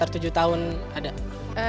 tujuh tahun ada